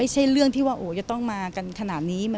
ไม่ใช่เรื่องพอจะต้องมากันมาสักครู่